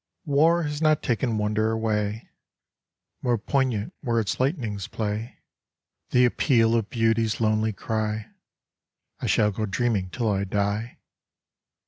War has not taken wonder away. More poignant where its lightnings play The appeal of beauty's lonely cry ! I shall go dreaming till I die.